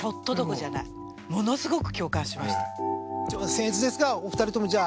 せん越ですがお二人ともじゃあ。